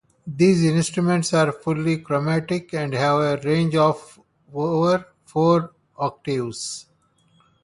These instruments are fully chromatic and have a range of over four octaves.